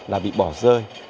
là bị bỏ rơi